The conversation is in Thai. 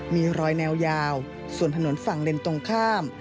มีรอยแนวยาวส่วนถนนฝั่งเลนตรงข้าม